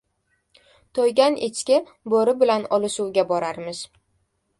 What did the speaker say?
• To‘ygan echki bo‘ri bilan olishuvga borarmish.